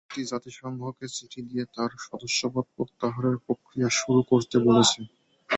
দেশটি জাতিসংঘকে চিঠি দিয়ে তার সদস্যপদ প্রত্যাহারের প্রক্রিয়া শুরু করতে বলেছে।